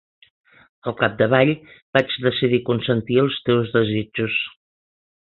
Al capdavall vaig decidir consentir els teus desitjos.